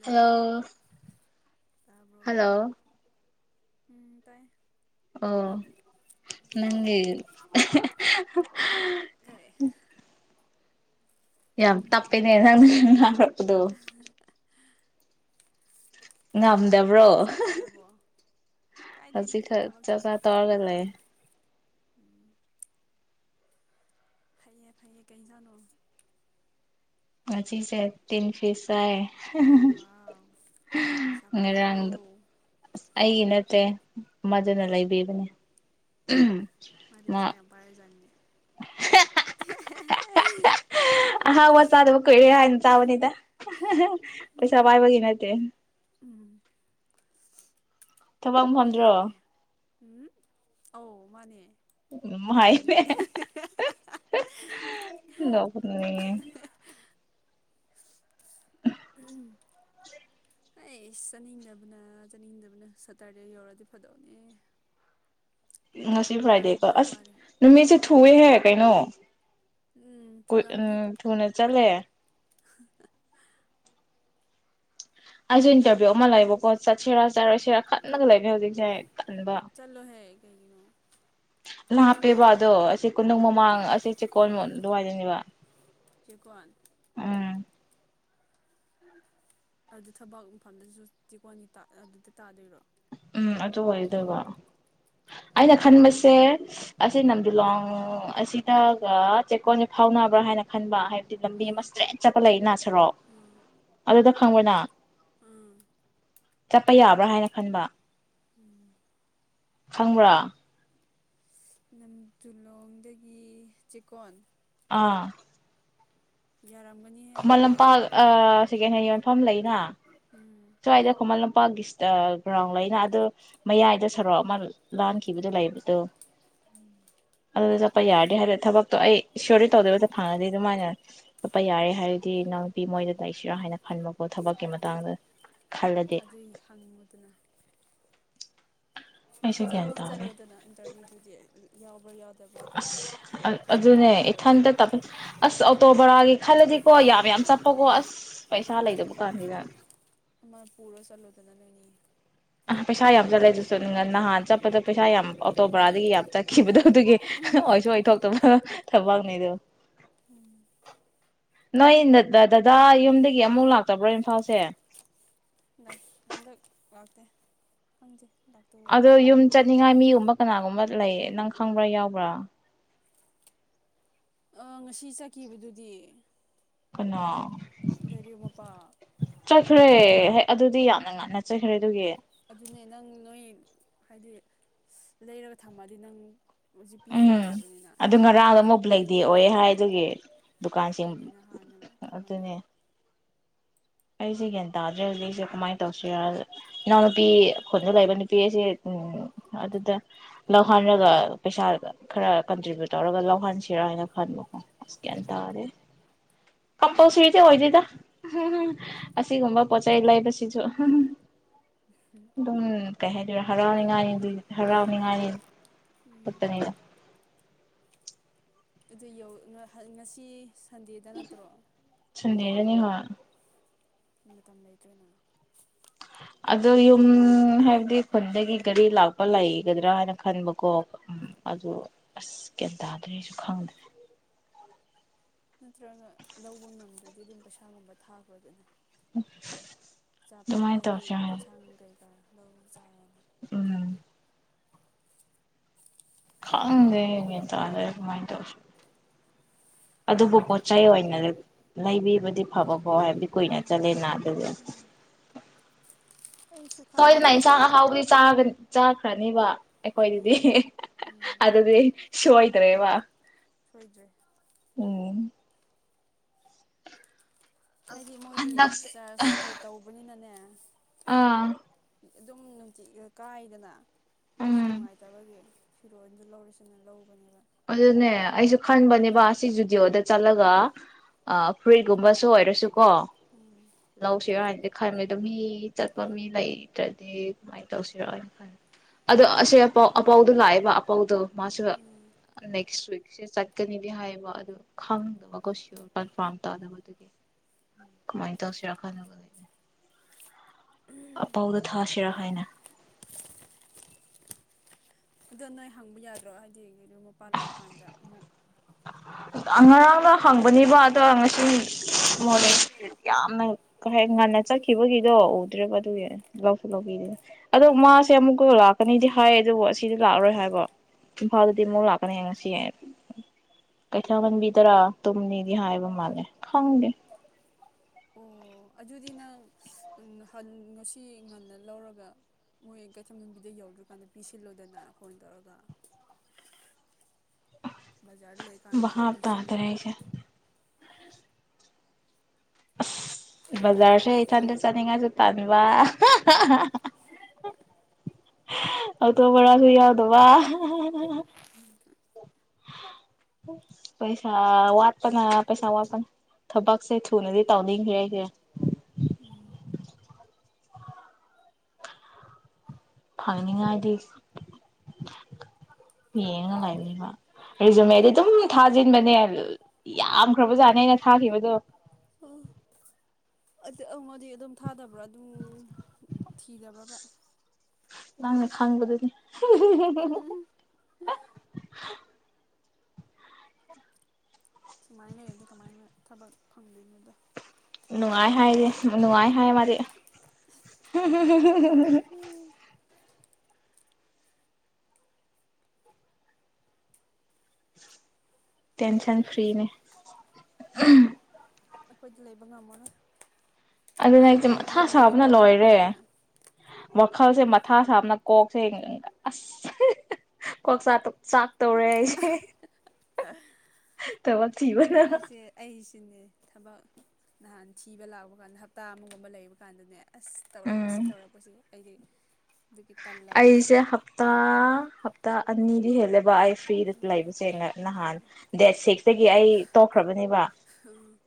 Hello hello ꯎ ꯇꯥꯏ ꯑꯣ ꯅꯪꯒꯤ ꯀꯩ ꯌꯥꯝ ꯇꯄꯅꯦ ꯀꯗꯣ ꯀꯩꯗꯧ ꯉꯝꯗꯕ꯭ꯔꯣ ꯂꯩꯕ꯭ꯔꯣ ꯆꯥꯛ ꯆꯥꯔꯕꯣ ꯀꯥꯏꯗꯩꯅꯣꯗ ꯍꯧꯖꯤꯛꯈꯛ ꯊꯕꯛ ꯆꯥꯛ ꯆꯥ ꯆꯠꯂꯤ ꯇꯧꯔꯒ ꯂꯩ ꯎꯝ ꯐꯩꯌꯦ ꯐꯩꯌꯦ ꯀꯩꯖꯥꯠꯅꯣ ꯉꯆꯁꯦ ꯇꯤꯟ ꯐꯤꯤꯁꯦ ꯋꯥꯎ ꯄꯩꯁꯥ ꯄꯥꯏꯀꯣ ꯉꯔꯥꯡꯗ ꯑꯁ ꯑꯩꯒꯤ ꯅꯠꯇꯦ ꯃꯗꯨꯅ ꯂꯩꯕꯤꯕꯅꯦ ꯃꯥꯗꯤ ꯄꯩꯁꯥ ꯌꯥꯝ ꯄꯥꯏꯔꯖꯥꯠꯅꯦ ꯑꯍꯥꯎ ꯋꯥ ꯆꯥꯗꯕ ꯀꯣꯏꯔꯦ ꯍꯥꯏꯅ ꯆꯥꯕꯅꯤꯗ ꯄꯩꯁꯥꯕꯥꯥꯏꯕꯒꯤꯅꯥꯠꯇꯦ ꯎꯝ ꯊꯕꯛ ꯐꯝꯗ꯭ꯔꯣ ꯐꯩꯌꯦ ꯐꯩꯌꯦ ꯎꯝ ꯑꯧ ꯃꯥꯅꯦ ꯀꯥꯎꯋꯤꯅꯦꯅꯦ [unintelligible] ꯎꯝ ꯑꯩ ꯆꯥꯅꯤꯡꯗꯕꯅ ꯆꯠꯅꯤꯡꯗꯕꯅ ꯁꯇꯔꯗꯦ ꯌꯧꯔꯗꯤ ꯐꯗꯧꯅꯦ ꯉꯁꯤ ꯐ꯭ꯔꯥꯏꯗꯦ ꯀ ꯉꯥꯏꯕꯗ ꯑꯁ ꯋꯥꯔꯦ ꯅꯨꯃꯤꯁꯦ ꯊꯨꯦ ꯍꯦ ꯀꯩꯅꯣ ꯎꯝ ꯀ ꯎꯝ ꯊꯨꯔꯝꯅꯤ ꯊꯨꯅ ꯆꯠꯂꯦ ꯑꯁꯨ ꯑꯩꯈꯣꯏꯅ ꯏꯟꯇꯔꯚꯤꯁꯌ ꯑꯃꯥꯏ ꯂ ꯀꯣ ꯆꯠꯁꯤꯔꯥ- ꯆꯥꯔꯣꯏꯁꯤꯔꯥ ꯈꯟꯕꯗ ꯂꯩꯕꯅꯦ ꯍꯧꯖꯤꯛꯁꯦ꯫ ꯇꯟꯕ ꯆꯂꯣ ꯍꯦ! ꯀꯩꯒꯤꯅꯣ? ꯂꯥꯞꯄꯦꯕ ꯑꯗꯣ ꯑꯁꯤ ꯀꯣꯅꯨꯡ ꯃꯃꯥꯡ ꯑꯁꯤ ꯆꯦꯀꯣꯜ ꯑꯗꯨꯋꯥꯏꯗꯅꯦꯕ꯫ ꯆꯦꯀꯣꯟ ꯎꯝ ꯑꯗꯨ ꯊꯕꯛ ꯃꯐꯝꯗꯨꯁꯨ ꯆꯤꯀꯣꯟꯒꯤ ꯇꯥ ꯑꯗꯨꯗ ꯇꯥꯗꯣꯏꯔꯣ? ꯎꯝ ꯑꯗꯨ ꯋꯥꯏꯗ ꯒꯣ ꯑꯩꯅ ꯑꯣ ꯈꯟꯕꯁꯦ ꯑꯁꯤ ꯅꯝꯗꯤꯂꯣꯡ ꯑꯁꯤꯗꯒ ꯆꯦꯛꯀꯣꯟꯁꯦ ꯐꯥꯎꯅꯕ꯭ꯔꯥ ꯍꯥꯏꯅ ꯈꯟꯕ ꯍꯥꯏꯕ ꯂꯝꯕꯤ ꯑꯃ ꯎꯝ ꯏꯁꯇ꯭ꯔꯦꯠ ꯆꯠꯄ ꯂꯩꯅ ꯁꯔꯣꯛ ꯎꯝ ꯑꯗꯨꯗ ꯈꯪꯕꯔꯥꯅꯥ? ꯎꯝ꯫ ꯆꯠꯄ ꯌꯥꯕ꯭ꯔꯥ ꯍꯥꯏꯅ ꯈꯟꯕ ꯎꯝ꯫ ꯈꯪꯕ꯭ꯔꯥ? ꯅꯝ ꯗꯨꯂꯣꯡꯗꯒꯤ ꯆꯦꯛꯀꯣꯟ ꯑꯥ꯫ ꯌꯥꯔꯝꯒꯅꯤꯍꯦ ꯃꯂ ꯄ ꯑ ꯁꯦꯀꯦꯟ ꯍꯦꯟ ꯌꯣꯟꯐꯝ ꯂꯩꯅ ꯎꯝ ꯁ꯭ꯋꯥꯏꯗ ꯈꯨꯃꯟ ꯂꯝꯄꯥꯛꯀꯤ ꯒ꯭ꯔꯥꯎꯟ ꯂꯩꯅ ꯑꯗꯨ ꯃꯌꯥꯏꯗ ꯁꯔꯣꯛ ꯑꯃ ꯂꯥꯟꯈꯤꯕꯗꯨ ꯂꯩꯕꯗꯣ ꯎꯝ꯫ ꯑꯗꯨꯗ ꯆꯠꯄ ꯌꯥꯔꯗꯤꯦ ꯍꯥꯏꯕꯗꯤ ꯊꯕꯛꯇꯣ ꯑꯩ ꯏꯁꯣꯔꯗꯤ ꯇꯧꯗꯣꯏꯕꯗ ꯐꯪꯉꯗꯤ ꯑꯗꯨꯃꯥꯏꯅ ꯆꯠꯄ ꯌꯥꯔꯦ ꯍꯥꯏꯔꯗꯤ ꯅꯨꯄꯤ ꯃꯣꯏꯗ ꯂꯩꯁꯤꯔꯥ ꯍꯥꯏꯅ ꯈꯟꯕꯀꯣ ꯊꯕꯛꯀꯤ ꯃꯇꯥꯡꯗ ꯈꯜꯂꯗꯤ ꯑꯗꯨꯏ ꯍꯪꯉꯨꯗꯅ ꯫ ꯑꯩꯁꯨ ꯒ꯭ꯌꯥꯟ ꯆꯠꯇꯤ ꯇꯥꯗꯦ ꯆꯜꯂꯣꯗꯅ ꯏꯟꯇꯔꯚꯤꯌꯨꯗꯨꯗꯤ ꯫ ꯌꯥꯎ ꯑꯁ ꯑꯗꯨꯅꯦ ꯐꯠꯇꯕ꯭ꯔꯥꯗꯣ ꯏꯊꯟꯇ ꯇ ꯑꯁ ꯑꯣꯇꯣ ꯕꯣꯔꯥꯒꯤ ꯈꯜꯂꯗꯤꯀꯣ ꯌꯥꯝ- ꯌꯥꯝ ꯆꯠꯄꯀꯣ ꯑꯁ ꯄꯩꯁꯥ ꯂꯩꯗꯕ ꯀꯥꯟꯁꯤꯗ ꯑꯃ ꯄꯨꯔꯣ ꯆꯠꯂꯣꯗꯅ ꯅꯣꯏꯅꯤꯒꯤ꯫ ꯑ ꯄꯩꯁꯥ ꯌꯥꯝ ꯆꯠꯂꯦ ꯑꯗꯨꯁꯨ ꯅꯍꯥꯟ ꯆꯠꯄꯗ ꯄꯩꯁꯥ ꯌꯥꯝ ꯑꯣꯇꯣ ꯕꯔꯥꯗꯒꯤ ꯌꯥꯝ ꯆꯠꯈꯤꯕꯗ ꯫ ꯑꯗꯨꯒꯤ ꯎꯝ ꯑꯣꯏꯁꯨ ꯑꯣꯏꯊꯣꯛꯇꯕ ꯊꯕꯛꯅꯤꯗꯨ ꯎꯝ꯫ ꯅꯣꯏ ꯗꯗꯥ ꯌꯨꯝꯗꯒꯤ ꯑꯃꯨꯛ ꯂꯥꯛꯇꯕ꯭ꯔꯣ ꯏꯝꯐꯥꯜꯁꯦ? ꯗ ꯍꯟꯗꯛ ꯂꯥꯛ ꯇꯦ ꯈꯪꯖꯦ ꯑꯗꯣ ꯌꯨꯝ ꯆꯠꯅꯤꯡꯉꯥꯏ ꯃꯤꯒꯨꯝꯕ ꯀꯅꯥꯒꯨꯝꯕ ꯂꯩꯌꯦ ꯅꯪ ꯈꯪꯕ꯭ꯔꯥ ꯌꯥꯎꯕ꯭ꯔꯥ? ꯑ ꯉꯁꯤ ꯆꯠꯈꯤꯕꯗꯨꯗꯤ ꯀꯅꯥ? ꯒꯔꯤ ꯃꯄꯥ ꯆꯠꯈ꯭ꯔꯦ ꯍ ꯑꯗꯨꯗꯤ ꯌꯥꯝꯅ ꯉꯟꯅ ꯆꯠꯈ꯭ꯔꯦ ꯑꯗꯨꯒꯤ ꯑꯗꯨꯅꯦ ꯅꯪ ꯅꯣꯏ ꯍꯥꯏꯗꯤ ꯂꯩꯔꯒ ꯊꯝꯃꯑꯗꯤ ꯅꯪ ꯍꯧꯖꯤꯛ ꯎꯝ ꯄꯤꯕ ꯌꯥꯕꯅꯤꯅ ꯑꯗꯨ ꯉꯔꯥꯒ ꯃꯣꯕꯂ ꯗꯤ ꯑꯣꯏ ꯍꯥꯏ ꯑꯗꯨꯒꯤ ꯗꯨꯀꯥꯟꯁꯤꯡ ꯑꯗꯨꯅꯤꯅ ꯍꯥꯟꯅ ꯊꯝꯃꯗꯤ ꯑꯗꯨꯅꯦ ꯑꯩꯁꯦ ꯒ꯭ꯌꯥꯟ ꯇꯥꯗ꯭ꯔꯦ ꯍꯧꯖꯤꯛ ꯑꯩꯁꯦ ꯀꯃꯥꯏꯅ ꯇꯧꯁꯤꯔꯥ ꯏꯅꯥꯎꯅꯄꯤ ꯈꯣꯟꯗ ꯂꯩꯕ ꯅꯨꯄꯤꯁꯦ ꯎ ꯑꯗꯨꯗ ꯂꯧꯍꯟꯔꯒ ꯄꯩꯁꯥ ꯈꯔ ꯀꯟꯇ꯭ꯔꯤꯕ꯭ꯌꯨꯠ ꯇꯧꯔꯒ ꯂꯧꯍꯟꯁꯤꯔꯥ ꯍꯥꯏꯅ ꯈꯟꯕꯀꯣ ꯑꯁꯀ ꯇꯔꯦ ꯀꯄꯧ ꯁꯨꯔꯤꯗꯤ ꯑꯣꯏꯗꯣꯏꯗ ꯑꯁꯤꯒꯨꯝꯕ ꯄꯣꯠꯆꯩ ꯂꯩꯕꯁꯤꯁꯨ ꯑꯗꯨꯝ ꯀꯩꯦ ꯍꯔꯥꯎꯅꯤꯉꯥꯏꯅꯤ ꯑꯗꯨ ꯍꯔꯥꯎꯅꯤꯉꯥꯏꯅꯤ ꯎꯝ ꯄꯨꯠꯇꯅꯩꯅ ꯑꯗꯨ ꯌ ꯉꯁꯤ ꯁꯟꯗꯦꯗ ꯅꯠꯇ꯭ꯔꯣ ꯌꯥꯅꯤ ꯍ ꯃꯇꯝ ꯂꯩꯇ꯭ꯔꯦꯅ ꯑꯣ ꯌꯨꯝ ꯍꯥꯏꯕꯗꯤ ꯈꯨꯟꯗꯒꯤ ꯒꯥꯔꯤ ꯂꯥꯛꯄ ꯂꯩꯒꯗ꯭ꯔꯥ ꯍꯥꯏꯅ ꯈꯟꯕꯀꯣ ꯎꯝ ꯑꯗꯨ ꯑꯁ ꯒ꯭ꯌꯥꯟ ꯇꯥꯗ꯭ꯔꯦꯁꯨ ꯈꯪꯗ꯭ꯔꯦ ꯅꯠꯇ꯭ꯔꯒ ꯂꯧꯕ ꯉꯝꯗ꯭ꯔꯗꯤ ꯑꯗꯨꯝ ꯄꯩꯁꯥꯒꯨꯝꯕ ꯊꯥꯈ꯭ꯔꯣꯗꯅ ꯑꯆꯥꯄꯣꯠ ꯑꯗꯨꯃꯥꯏꯅ ꯍꯥꯏꯗꯤ ꯇꯧꯁꯦ ꯍꯥꯏ ꯌꯦꯟꯁꯥꯡ ꯀꯩꯀꯥ ꯂꯧꯖꯥꯔꯅꯤ ꯎꯝ ꯈꯪꯗꯦ ꯌꯦ ꯇꯗ ꯀꯃꯥꯏꯅ ꯇꯧꯁꯨ ꯑꯗꯨꯕꯨ ꯄꯣꯠꯆꯩ ꯑꯣꯏꯅ ꯂꯩꯕꯤꯕꯗꯤ ꯐꯕ ꯍ ꯍꯥꯏꯦꯕꯤ ꯀꯅ ꯎꯝ ꯆꯂꯦ ꯅꯅꯥꯗꯖ ꯎꯝ ꯑꯩꯁꯨ ꯍꯣꯏ ꯈꯜꯂꯤꯅꯦ ꯆꯥ ꯍꯥꯎꯕꯨꯗꯤ ꯆꯥꯒ ꯆ ꯀꯅꯤꯕ ꯑꯩꯈꯣꯏ ꯑꯗꯨꯗꯤ ꯎꯝ ꯎꯝ ꯑꯗꯨꯗꯤ ꯁꯣ ꯠꯇꯦ ꯋꯥ ꯁꯣꯏꯗ꯭ꯔꯦ ꯍꯥꯏꯗꯤ ꯃꯣꯏꯗꯤ ꯅꯛꯁ ꯆꯔꯆꯀꯤ ꯇꯧꯕꯅꯤꯅꯅꯦ [unintelligible] ꯑꯥ ꯑꯗꯨꯝ ꯅꯨꯡꯇꯤꯠ ꯀꯥꯏꯗꯅ ꯑꯩꯁꯨ ꯎꯝ ꯅꯨꯡꯉꯥꯏꯇꯕꯒꯤ ꯐꯤꯔꯣꯜꯗꯨ ꯂꯧꯔꯁꯤꯅ ꯂꯧꯕꯅꯦꯕ ꯑꯗꯨꯅꯦ ꯑꯩꯁꯨ ꯈꯟꯕꯅꯦꯕ ꯁꯤ ꯖꯨꯗꯤꯑꯣꯗ ꯆꯠꯂꯒ ꯐꯨꯔꯤꯠꯒꯨꯝꯕꯁꯨ ꯑꯣꯏꯔꯁꯨ ꯀꯣ ꯎꯝ ꯂꯧꯁꯤꯔ ꯍꯥꯏ ꯈꯟꯕꯅꯦ ꯑꯗꯣ ꯃꯤ ꯆꯠꯄ ꯃꯤ ꯂꯩꯇ꯭ꯔꯗꯤ ꯀꯃꯥꯏꯅ ꯇꯧꯁꯤꯔꯑꯣꯅ ꯈ ꯑꯗꯣ ꯑꯁꯥꯎ ꯑꯄꯥꯎꯗꯣ ꯂꯥꯛꯑꯦꯕ ꯑꯄꯥꯎꯗꯣ ꯃꯥꯁꯨ ꯎꯝ ꯅꯦꯛꯁ ꯋꯤꯛꯁꯦ ꯆꯠꯀꯅꯤꯗꯤ ꯍꯥꯏꯕ ꯑꯗꯨ ꯈꯪꯗꯕꯀꯣ ꯁꯤꯌꯣꯔ ꯀꯟꯐꯥꯔꯝ ꯇꯥꯗꯕ ꯑꯗꯨꯒꯤ ꯀꯃꯥꯏ ꯇꯧꯁꯤꯔ [unintelligible] ꯑꯄꯥꯥꯎꯗ ꯊꯁꯤꯔꯥ ꯍꯥꯏꯅ ꯑꯗꯣ ꯅꯣꯏ ꯍꯪꯕ ꯌꯥꯗ꯭ꯔꯣ ꯍꯥꯏꯗꯤ ꯀꯩꯅꯣ ꯃꯄꯥ ꯂꯥꯛꯄ ꯀꯥꯟꯗ ꯑꯃꯨꯛ ꯉꯔꯥꯡꯅ ꯍꯪꯕꯅꯤꯕ ꯑꯗꯣ ꯉꯁꯤ ꯃꯣꯔꯦ ꯌꯥꯝꯅ ꯀꯩ ꯍꯥꯏ ꯉꯟꯅ ꯆꯠꯈꯤꯕꯒꯤ ꯗꯣ ꯎꯗ꯭ꯔꯦꯕ ꯎꯝ ꯑꯗꯨꯒꯤ ꯂꯧꯁꯨ ꯂꯧꯕꯤꯕꯅꯦ ꯑꯗꯣ ꯃꯥꯁꯦ ꯑꯃꯨꯛꯀ ꯂꯥꯛꯀꯅꯤꯗꯤ ꯍꯥꯏꯌꯦ ꯑꯗꯨꯕꯨ ꯑꯁꯤꯗꯤ ꯂꯥꯛꯑꯔꯣꯏ ꯍꯥꯏꯕ ꯏꯝꯐꯥꯜꯗꯗꯤ ꯑꯃꯨꯛ ꯂꯥꯛꯀꯅꯤ ꯉꯁꯤ ꯀꯩꯊꯥꯍꯟꯕꯤꯗꯔꯥ ꯇꯨꯝꯝꯅꯤꯗꯤ ꯍꯥꯏꯕ ꯃꯥꯜꯂꯦ ꯈꯪꯗꯦ ꯑꯣ ꯑꯗꯨꯗꯤ ꯅꯪ ꯉꯁꯤ ꯉꯟꯅ ꯂꯧꯔꯒ ꯃꯣꯏ ꯀꯩꯊꯟ ꯃꯕꯤꯗ ꯌꯧꯗ꯭ꯔꯀꯥꯟꯗ ꯄꯤꯁꯤꯜꯂꯣꯗꯅ ꯐꯣꯟ ꯇꯧꯔꯒ ꯕꯖꯥꯔ ꯂꯩꯀꯥꯟꯗꯅ ꯚꯥꯞ ꯄꯤꯁꯤꯜꯂꯣ ꯇꯥꯗ꯭ꯔꯦ ꯑꯩꯁꯦ ꯑꯁ ꯕꯖꯥꯔꯁꯦ ꯏꯊꯟꯗ ꯆꯥꯅꯤꯡꯉꯥꯏꯁꯨ ꯇꯥꯟꯕ ꯑꯣꯇꯣ ꯕꯔꯥꯁꯨ ꯌꯥꯎꯗꯕ ꯄꯩꯁꯥ ꯋꯥꯠꯄꯅ ꯄꯩꯁꯥ ꯋꯥꯄ ꯊꯕꯛꯁꯨ ꯊꯨ ꯅꯗꯤ ꯇꯧꯅꯤꯡꯈ꯭ꯔꯦ ꯑꯩꯗꯤ ꯎꯝ ꯐꯪꯅꯤꯡꯉꯥꯏꯗꯤ ꯌꯦꯡꯅꯉꯥꯏꯅꯤꯕ ꯔꯤꯖꯨꯃꯦꯗꯤ ꯑꯗꯨꯝ ꯊꯥꯖꯤꯟꯕꯅꯦ ꯌꯥꯝꯈ꯭ꯔꯕꯖꯥꯠꯅꯦ ꯑꯩꯅ ꯊꯥꯈꯤꯕꯗꯣ ꯑꯣꯉꯗꯤ ꯑꯗꯨꯝ ꯊꯥꯗꯕ꯭ꯔꯥ ꯑꯗꯨꯝ ꯊꯤꯗꯕ꯭ꯔꯕ꯭ꯔꯥ ꯅꯪ ꯈꯪꯕꯗꯨꯅꯤ [unintelligible] ꯁꯨꯃꯥꯏꯅ ꯂꯩꯔꯗꯤ ꯀꯃꯥꯏꯅ ꯊꯕꯛ ꯐꯪꯗꯣꯏꯅꯣꯗ ꯅꯨꯡꯉꯥꯏ ꯍꯥꯏꯔꯤ ꯅꯨꯡꯉꯥꯏ ꯍꯥꯏ ꯃꯥꯗꯤ [unintelligible] ꯇꯦꯟꯁꯟ ꯐ꯭ꯔꯤꯅꯤ ꯑꯩꯈꯣꯏꯗꯤ ꯂꯩꯕ ꯉꯝꯃꯔꯣꯏ ꯑꯗꯨꯅ ꯑꯩꯁꯦ ꯃꯊꯥ ꯌꯨꯝꯗꯒꯤ ꯁꯥꯕꯅ ꯂꯣꯏꯔꯦ ꯇꯧꯔꯛꯄ꯭ꯔꯅ ꯋꯥꯈꯜꯁꯦ ꯃꯊꯥ ꯁꯥꯕꯅ ꯀꯣꯛꯁꯦ ꯑꯁ ꯀꯋꯥꯛꯆꯥꯛ ꯆꯥꯛ ꯇꯧꯔꯦ ꯑꯩꯁꯦ ꯊꯕꯛ ꯊꯤꯕꯅ ꯉꯥꯏꯍꯥꯛꯁꯦ ꯑꯩꯁꯤꯅꯦ ꯊꯕꯛ ꯅꯍꯥꯟ ꯊꯤꯕ ꯂꯥꯛꯄ ꯀꯥꯟꯗ ꯍꯞꯇꯥ ꯑꯃꯒꯨꯝꯕ ꯂꯩꯕ ꯀꯥꯟꯗꯅꯦ ꯑꯁ ꯇꯧꯔꯛꯄꯁꯤ ꯎꯝ ꯇꯧꯔꯛꯄꯁꯤ ꯑꯩꯗꯤ ꯑꯗꯨꯒꯤ ꯇꯜꯂꯕꯅꯤ ꯑꯩꯁꯦ ꯍꯞꯇꯥ ꯅꯤꯗꯤ ꯍꯦꯂꯦꯕꯏ ꯐ꯭ꯔꯤꯗ ꯎꯝ ꯂꯩꯕꯁꯦ ꯅꯍꯥꯟ ꯗꯦꯠ ꯁꯤꯛꯁꯇꯒꯤ ꯑꯩ ꯇꯣꯛꯈ꯭ꯔꯕꯅꯦꯕ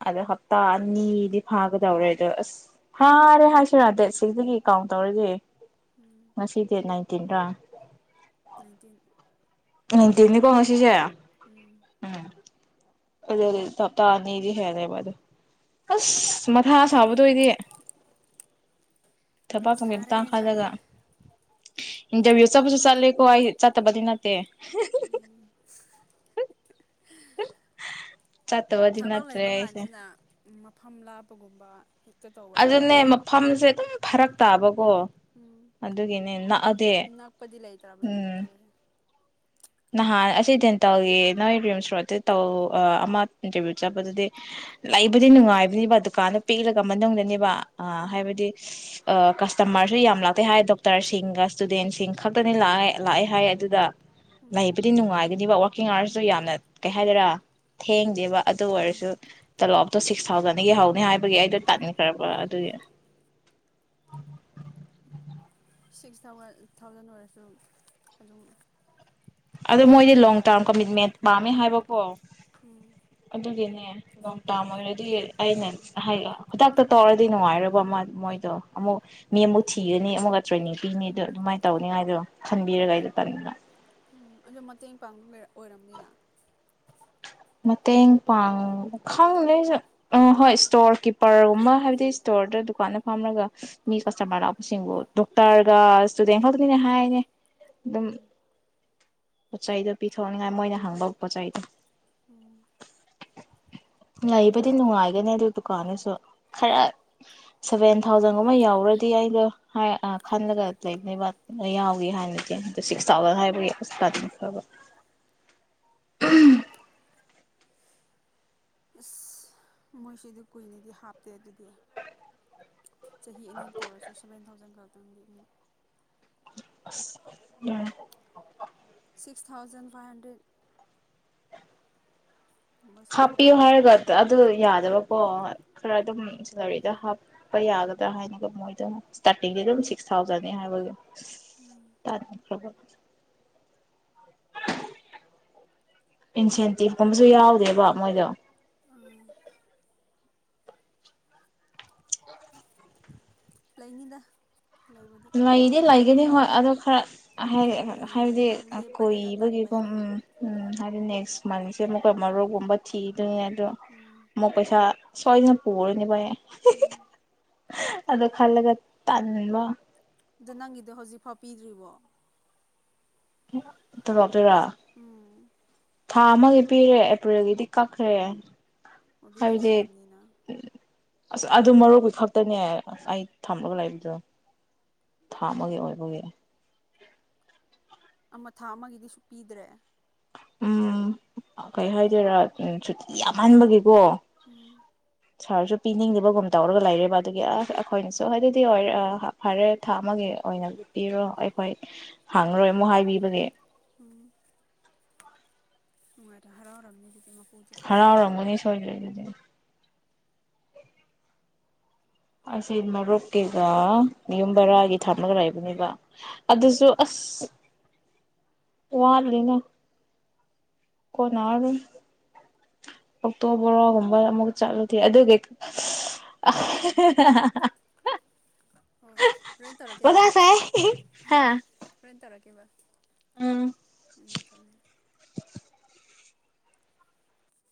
ꯑꯗꯣ ꯞꯇꯥ ꯑꯅꯤꯗꯤ ꯐꯥꯒꯗꯧꯔꯦ ꯑꯗꯣ ꯑꯁ ꯐꯥꯔꯦ ꯍꯥꯏꯁꯤꯔꯥ ꯗꯦꯠ ꯁꯤꯛꯁꯇꯗꯒꯤ ꯀꯥꯎꯟ ꯇꯧꯔꯗꯤ ꯎꯝ ꯃꯁꯗ ꯌꯦ ꯅꯥꯏꯇꯤꯟ꯭ꯔꯥ ꯅꯥꯏꯟꯇꯤꯟ ꯅꯤꯡꯇꯤꯅꯤꯀꯣ ꯉ ꯁꯤꯁꯦ ꯎꯝ ꯑꯗꯨ ꯑꯗꯨꯗꯤ ꯇꯞꯇꯥ ꯑꯅꯤꯗꯤ ꯍꯦꯜꯂꯦꯕ ꯑꯗꯨ ꯑꯁ ꯃꯊꯥ ꯁꯥꯕꯗ ꯑꯣꯏꯗꯤ ꯊꯕꯥꯛ ꯇꯕꯤ ꯁꯥꯔꯦ ꯁꯥꯔꯦ ꯇꯥꯡꯈꯜꯂꯒ ꯏꯟꯇꯔꯚꯤꯌꯨ ꯆꯠꯄꯁꯨ ꯆꯠꯂꯦꯀꯣ ꯑꯩ ꯆꯠꯇꯕꯗꯤ ꯅꯠꯇꯦ ꯎꯝ [unintelligible] [unintelligible] ꯊꯕꯛ ꯅꯠꯇ꯭ꯔꯦ ꯂꯩꯕ ꯑꯩꯁꯦ ꯀꯥꯟꯁꯤꯗ ꯃꯐꯝ ꯂꯥꯞ ꯒꯨꯝꯕ ꯍ ꯑꯗꯨꯅꯦ ꯃꯐꯝꯁꯦ ꯑꯗꯨꯝ ꯐꯔꯛ ꯇꯥꯕ ꯀꯣ ꯎꯝ ꯑꯗꯨꯒꯤꯅꯦ ꯅꯛꯑꯗꯤ ꯅꯛꯄꯗꯤ ꯂꯩꯇ꯭ꯔꯕꯅꯦꯕ ꯎꯝ ꯇꯧꯔꯤꯁꯦ ꯅꯍꯥꯟ ꯑꯁꯤ ꯗꯦꯟꯇꯧꯒꯤ ꯅꯣꯏ ꯔꯤꯝꯁ ꯔꯣꯗꯇ ꯇꯧ ꯑꯃ ꯏꯟꯇꯔꯚꯤꯌꯨ ꯆꯠꯄꯗꯨꯗꯤ ꯂꯩꯕꯨꯗꯤ ꯅꯨꯡꯉꯥꯏꯕꯅꯤꯕ ꯗꯨꯀꯥꯟꯗ ꯄꯤꯛꯂꯒ ꯃꯅꯨꯡꯗꯅꯦꯕ ꯑ ꯎꯝ ꯍꯥꯏꯕꯗꯤ ꯀꯁꯇꯃꯔꯁꯨ ꯌꯥꯝ ꯂꯥꯛꯇꯦ ꯍꯥꯏ ꯗꯣꯛꯇꯔꯁꯤꯡꯒ ꯏꯁꯇꯨꯗꯦꯟꯁꯤꯡ ꯈꯛꯇꯅꯤ ꯂꯑꯦ ꯂꯥꯛꯑꯦ ꯍꯥꯏ ꯑꯗꯨꯗ ꯎꯝ ꯂꯩꯕꯨꯗꯤ ꯅꯨꯡꯉꯥꯏꯒꯅꯤꯕ ꯋꯥꯔꯀꯤꯡ ꯑꯋꯥꯔꯁꯨ ꯎꯝ ꯌꯥꯝꯅ ꯀꯩ ꯍꯥꯏꯗꯣꯏꯔꯥ ꯊꯦꯡꯡ ꯗꯦꯕ ꯑꯗꯨ ꯎꯝ ꯑꯣꯏꯔꯁꯨ ꯇꯂꯣꯞ ꯇꯣ ꯁꯤꯛꯁ ꯊꯥꯎꯖꯟꯗꯒꯤ ꯍꯧꯧꯅꯤ ꯍꯥꯏꯕꯒꯤ ꯑꯩꯗꯣ ꯇꯥꯟꯅꯤꯡꯈ꯭ꯔꯕ ꯑꯗꯨꯒꯤ ꯁꯤꯛꯁ ꯊꯥꯎꯖꯟ ꯑꯣꯏꯔꯁꯨ ꯑꯗꯨꯝ ꯑꯣ ꯃꯣꯏꯗꯤ ꯅꯨꯡꯉꯥꯏꯔꯗꯤ ꯂꯣꯡ ꯌꯥꯔꯦ ꯇꯥꯔꯝ ꯀꯩꯅꯣ ꯀꯃꯤꯠꯃꯦꯟ ꯄꯥꯝꯃꯦ ꯍꯥꯏꯕꯀꯣ ꯎꯝ ꯑꯗꯨꯒꯤꯅꯦ ꯅ ꯇꯥꯝꯃꯔꯦ ꯑꯗꯨꯒꯤ ꯑꯩꯅ ꯍꯗꯥꯛꯇ ꯇꯧꯔꯗꯤ ꯅꯨꯡꯉꯥꯏꯕ ꯑꯃ ꯃꯣꯏꯗꯣ ꯑꯃꯨꯛ ꯃꯤ ꯑꯃꯨꯛ ꯊꯤꯒꯅꯤ ꯑꯃꯛꯒ ꯇ꯭ꯔꯦꯅꯤꯡ ꯄꯤꯅꯤ ꯑꯗꯨꯗꯣ ꯑꯗꯨꯃꯥꯏꯅ ꯇꯧꯅꯤꯉꯥꯏꯗꯣ ꯈꯟꯕꯤꯔꯒ ꯑꯩꯗ ꯄꯟꯕ ꯎꯝ ꯑꯗꯨ ꯃꯇꯦꯡ ꯄꯥꯡꯕ ꯑꯣꯏꯔꯕꯅꯤꯅ ꯃꯇꯦꯡ ꯄꯥꯡ ꯈꯪ ꯑ ꯍꯣꯏ ꯏꯁꯇꯣꯔ ꯀꯤꯞꯄꯔꯒꯨꯝꯕ ꯍꯥꯏꯕꯗꯤ ꯏꯁꯇꯣꯔꯗ ꯗꯨꯀꯥꯟꯗ ꯐꯥꯝꯔꯒ ꯃꯤ ꯀꯁꯇꯃꯔ ꯂꯥꯛꯄꯁꯤꯡꯕꯨ ꯗꯣꯛꯇꯔꯒ ꯏꯁꯇꯨꯗꯦꯟ ꯈꯛꯇꯅꯤꯅꯦ ꯍꯥꯏꯅꯦ ꯑꯗꯨꯝ ꯎꯝ ꯄꯣꯠ ꯆꯩꯗꯣ ꯄꯤꯊꯣꯛꯅꯤꯡꯉꯥꯏ ꯃꯣꯏꯅ ꯍꯪꯕ ꯄꯣꯠꯆ ꯆꯩꯗꯣ ꯎꯝ ꯂꯩꯕꯗꯤ ꯅꯨꯡꯉꯥꯏꯒꯅꯤ ꯑꯗꯨ ꯗꯨꯀꯥꯟꯗꯨꯁꯨ ꯈꯔ ꯁꯚꯦꯟ ꯊꯥꯎꯖꯟꯒꯨꯝꯕ ꯌꯥꯎꯔꯗꯤ ꯑꯩꯗꯣ ꯈꯜꯂꯒ ꯂꯩꯕ ꯌꯥꯎꯈꯤ ꯍꯥꯏꯅꯤꯗꯤꯦ ꯑ ꯁꯤꯛꯁ ꯊꯥꯎꯖꯟ ꯍꯥꯏꯕꯒꯤꯀ ꯐꯕ ꯑꯁ ꯃꯣꯏꯁꯤ ꯑꯗꯨ ꯀꯨꯏꯅꯗꯤ ꯍꯥꯞꯇꯦ ꯑꯗꯨꯗꯤ ꯆꯍꯤ ꯑꯅꯤ ꯇꯧꯔꯁꯨ ꯁꯕꯦꯟ ꯊꯥꯎꯖꯟꯈꯛ ꯃꯇꯝꯇꯥꯡꯒꯤ ꯑꯃꯨꯛ ꯎꯝ ꯁꯤꯛꯁ ꯊꯥꯎꯖꯟ ꯐꯥꯏꯚ ꯍꯟꯗ꯭ꯔꯦꯠ ꯑꯃꯨꯛ ꯍꯥꯄꯤ ꯑꯣꯍꯥꯒꯗ ꯑꯗ ꯑꯗꯨ ꯌꯥꯗꯕꯀꯣ ꯈꯔ ꯑꯗꯨꯝ ꯁꯦꯂꯔꯤꯗ ꯍꯥꯞꯄ ꯌꯥꯒꯗ꯭ꯔꯥ ꯍꯥꯏꯅꯒ ꯃꯣꯏꯗ ꯁ꯭ꯇꯥꯔꯇꯤꯡꯗꯤ ꯑꯗꯨꯝ ꯁꯤꯛꯁ ꯊꯥꯎꯖꯟꯅꯤ ꯍꯥꯏꯕꯒꯤ ꯎꯝ ꯇ ꯍ ꯏꯟꯁꯦꯟꯇꯤꯞ ꯀꯨꯝꯕꯁꯨ ꯌꯥꯎꯗꯦꯕ ꯃꯣꯏꯗꯣ ꯑꯥ ꯂꯩꯅꯤꯗ ꯂꯩꯕꯨꯗꯤ ꯂꯩꯗꯤ ꯂꯩꯒꯅꯤ ꯍꯣꯏ ꯑꯗꯣ ꯈꯔ ꯀꯨꯏꯅ ꯍꯥꯏꯕꯗꯤ ꯑꯗꯨꯝ ꯂꯦꯞꯄꯗꯗ ꯀꯣꯏꯕꯒꯤꯒꯨꯝ ꯇꯟꯕꯩꯅꯤ ꯎꯝ ꯎꯝ ꯍꯥꯏꯗꯤ ꯅꯦꯛꯁ ꯃꯟꯁꯦ ꯑꯃꯨꯛꯀ ꯃꯔꯣꯛꯒꯨꯝꯕ ꯊꯤ ꯑꯗꯨꯅꯣ ꯎꯝ ꯃꯣꯏ ꯄꯩꯁꯥ ꯁꯋꯥꯗꯅ ꯄꯨ ꯄꯨꯋꯥꯣꯏꯅꯤ ꯄꯥꯏꯦ ꯎꯝ [unintelligible] ꯑꯗꯣ ꯈꯜꯂꯒ ꯇꯟꯕ ꯑꯗ ꯅꯪꯒꯤꯗꯤꯣ ꯍꯧꯖꯤꯛꯐꯥꯎ ꯄꯤꯗ꯭ꯔꯤꯕꯣ [unintelligible] ꯀ ꯇꯔꯥ ꯎꯝ ꯊꯥ ꯑꯃꯒꯤ ꯄꯤꯔꯦ ꯑꯦꯄ꯭ꯔꯤꯜꯒꯤꯗꯤ ꯀꯛꯈ꯭ꯔꯦ ꯑꯗꯨꯗꯤ ꯍꯥꯏꯕꯗꯤ ꯂꯩꯔꯕꯔꯕꯅꯤꯅ ꯑꯁ ꯑꯗꯨ ꯃꯔꯨꯞꯄꯤ ꯈꯛꯇꯅꯦ ꯑꯩ ꯊꯝꯂꯒ ꯂꯩꯕꯗꯣ ꯊꯥꯝꯃꯒꯦ ꯑꯣꯏꯕꯒꯤ ꯑꯃ ꯊꯥ ꯑꯃꯒꯤꯗꯤ ꯁꯨꯛ ꯄꯤꯗ꯭ꯔꯦ ꯎꯝ ꯀꯩ ꯍꯥꯏꯗꯣꯏꯔꯥ ꯁꯨꯇꯤ ꯌꯥꯝꯍꯟꯕꯒꯤꯀꯣ ꯎꯝ ꯁꯥꯔꯁꯨ ꯄꯤꯅꯤꯡꯂꯤꯕꯒꯨꯝ ꯇꯧꯔꯒ ꯂꯩꯔꯦꯕ ꯑꯗꯨꯒꯤ ꯑꯁ ꯑꯩꯈꯣꯏꯅꯁꯨ ꯍꯥꯏꯗꯤꯔ ꯐꯔꯦ ꯊꯥ ꯑꯃꯒꯤ ꯑꯣꯏꯅ ꯄꯤꯔꯣ ꯑꯩꯈꯣꯏ ꯍꯪꯉꯔꯣꯏ ꯑꯃꯨꯛ ꯍꯥꯏꯕꯤꯕꯒꯤ ꯎꯝ ꯅꯨꯡꯉꯥꯏꯔꯦ ꯍꯔꯥꯎꯔꯝ ꯍꯔꯥꯎ ꯔꯃꯣꯅꯤ ꯁꯣꯏ ꯂ ꯑꯗꯨ ꯑꯁꯤ ꯃꯔꯣꯛꯀꯤꯒ ꯌꯌꯨꯝ ꯕꯔꯥꯒꯤ ꯊꯝꯃꯒ ꯂꯩꯥꯛꯕꯅꯦꯕ ꯑꯗꯨꯁꯨ ꯎꯝ ꯑꯁ ꯋꯥꯠꯂꯤꯅ ꯀꯣꯅ ꯑꯗꯨꯝ ꯑꯣꯛꯇꯣ ꯕꯣꯔꯣꯒꯨꯝꯕ ꯑꯃꯨꯛ ꯆꯠꯂꯗꯤ ꯑꯗꯨ [unintelligible] ꯑꯣ ꯍꯣꯔꯦꯟꯅ ꯇꯧꯔꯛꯀꯦ ꯃꯊꯥ ꯑꯗꯨꯗꯤꯀꯣ ꯁꯥꯏ ꯍꯥ ꯍꯣꯔꯅ ꯇꯧꯔꯛꯀꯦ ꯀ ꯎꯝ ꯎꯝ ꯐꯝ